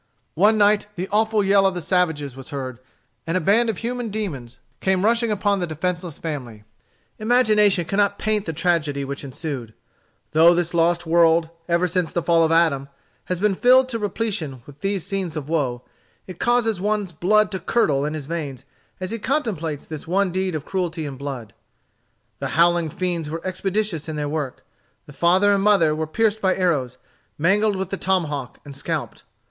One night, the awful yell of the savage was heard, and a band of human demons came rushing upon the defenceless family. Imagination cannot paint the tragedy which ensued. Though this lost world, ever since the fall of Adam, has been filled to repletion with these scenes of woe, it causes one's blood to curdle in his veins as he contemplates this one deed of cruelty and blood. The howling fiends were expeditious in their work. The father and mother were pierced by arrows, mangled with the tomahawk, and scalped.